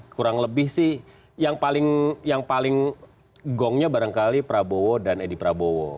kurang lebih sih yang paling gongnya barangkali prabowo dan edi prabowo